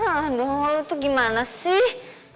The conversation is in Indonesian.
aduh lo tuh gimana sih